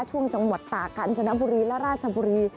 ช่วงจังหวัดตากาญจนบุรีและราชบุรี